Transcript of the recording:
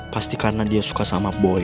pasti karena dia suka sama boy